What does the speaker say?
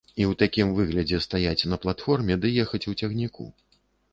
І ў такім выглядзе стаяць на платформе ды ехаць у цягніку.